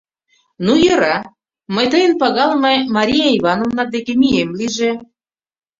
— Ну нӧра, мый тыйын пагалыме Мария Ивановнат деке мием лийже.